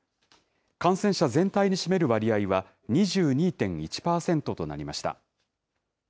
感染者全体に占める割合は２２．１％となりました。